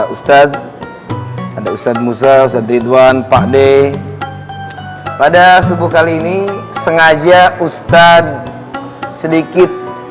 ustadz ada ustadz musa ustadz ridwan pakde pada subuh kali ini sengaja ustadz sedikit